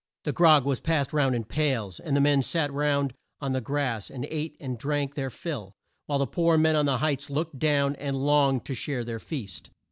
The "grog" was passed round in pails, and the men sat round on the grass, and ate and drank their fill, while the poor men on the heights looked down and longed to share their feast.